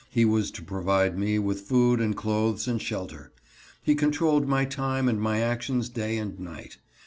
He was to provide me with food and clothes and shelter. He controlled my time and my actions day and night.